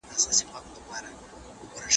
غوړ ماتول وخت نیسي.